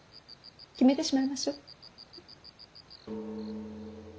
決めてしまいましょう。